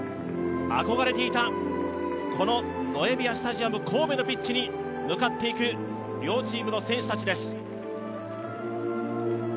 憧れていたこのノエビアスタジアム神戸のピッチに向かっていく両チームの選手たちです。